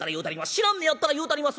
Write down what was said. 知らんねやったら言うたります。